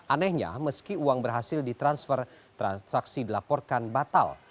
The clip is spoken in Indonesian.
anehnya meski uang berhasil ditransfer transaksi dilaporkan batal